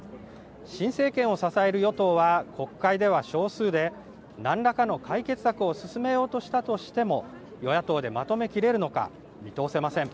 新政権を支える与党は、国会では少数で、なんらかの解決策を進めようとしたとしても、与野党でまとめきれるのか、見通せません。